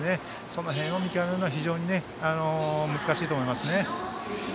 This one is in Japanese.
その辺を見極めるのは非常に難しいと思いますね。